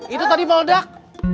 itu tadi meledak